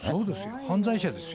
犯罪者ですよ。